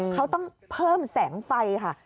เขาต้องเพิ่มแสงไฟค่ะ